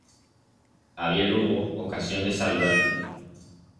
Habié lugo ocasión de saludar-te.